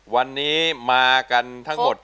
วันนี้มากันทั้งหมด